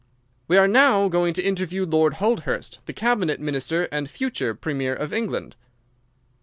"We are now going to interview Lord Holdhurst, the cabinet minister and future premier of England."